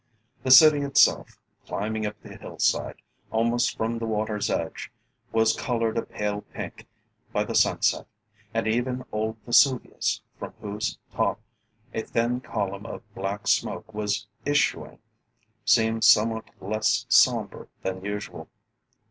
The city itself, climbing up the hillside, almost from the water's edge, was coloured a pale pink by the sunset, and even old Vesuvius, from whose top a thin column of black smoke was issuing, seemed somewhat less sombre than usual.